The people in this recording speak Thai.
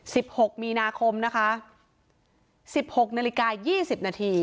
หกมีนาคมนะคะสิบหกนาฬิกายี่สิบนาที